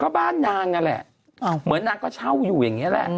ก็บ้านนางนั่นแหละเหมือนนางก็เช่าอยู่อย่างนี้แหละ